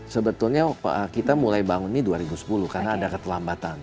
sebetulnya kita mulai bangun ini dua ribu sepuluh karena ada keterlambatan